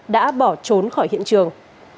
đã bỏ trốn khỏi hiện trường